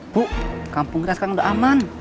bu kampung kita sekarang udah aman